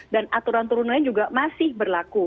dan aturan turun lain juga masih berlaku